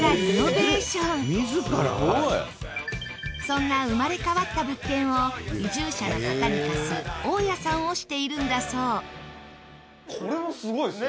そんな生まれ変わった物件を移住者の方に貸す大家さんをしているんだそう。